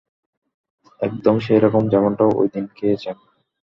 একদম সেরকম যেমনটা ওইদিন খেয়েছেন।